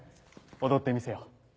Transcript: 蝉踊ってみせよ。